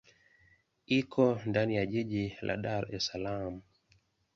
Iko ndani ya jiji la Dar es Salaam.